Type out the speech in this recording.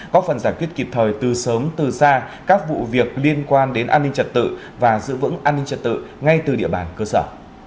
có phần giải quyết kịp thời từ sớm từ xa các vụ việc liên quan đến an ninh trật tự và giữ vững an ninh trật tự ngay từ địa bàn cơ sở